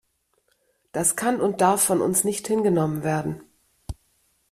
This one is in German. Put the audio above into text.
Das kann und darf von uns nicht hingenommen werden.